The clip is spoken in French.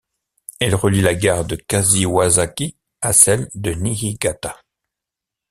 Elle relie la gare de Kashiwazaki à celle de Niigata.